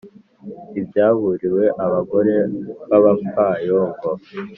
Ibyaburiwe abagore b’abapfayongo